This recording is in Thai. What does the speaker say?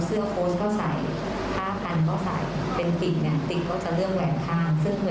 แล้วติดในข้างเป็นว่าโม